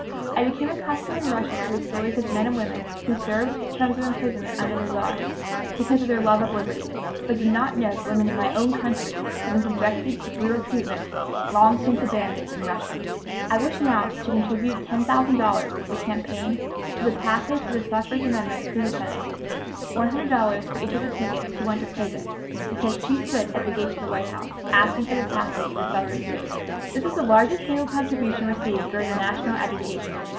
I became accustomed in Russia to the stories of men and women who served terms of imprisonment under the Czar, because of their love of liberty, but did not know that women in my own country had been subjected to brutal treatment long since abandoned in Russia. "I wish now to contribute ten thousand dollars to the campaign for the passage of the suffrage amendment through the Senate,, one hundred dollars for each of the pickets who went to prison because she stood at the gates of the White House, asking for the passage of the suffrage measure." This was the largest single contribution received during the national agitation.